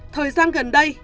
thời gian gần đây